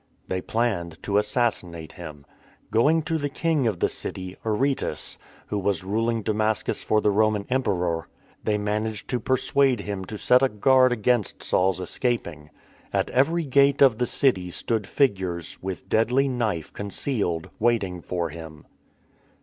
They planned to assassinate him. Going to the King of the City (Aretas), who was ruling Damascus for the Roman Emperor, they managed to persuade him to set a guard against Saul's escaping. At every gate of the city stood figures, with deadly knife con cealed, waiting for him.